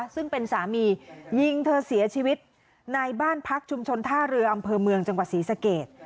ซึ่งเป็นสามียิงเธอเสียชีวิตในบ้านพักชุมชนท่าเรืออำเภอเมืองจังหวัดศรีสเกต